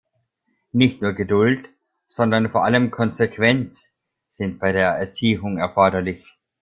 Nicht nur Geduld, sondern vor allem Konsequenz sind bei der Erziehung erforderlich.